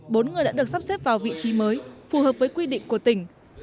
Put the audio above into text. bốn người đã được sắp xếp vào vị trí mới phù hợp với quy định của tỉnh